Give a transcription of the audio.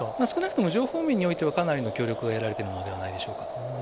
少なくとも情報面においては、かなりの協力を得られているのではないでしょうか。